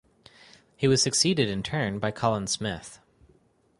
He was succeeded in turn by Colin Smith.